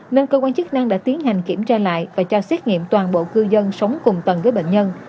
nên cơ quan chức năng đã tiến hành kiểm tra lại và cho xét nghiệm toàn bộ cư dân sống cùng tầng với bệnh nhân